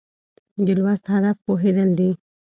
د لوست هدف پوهېدل دي.